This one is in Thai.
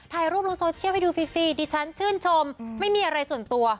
ถ่ายรูปลงโซเชียลให้ดูฟรีดิฉันชื่นชมไม่มีอะไรส่วนตัว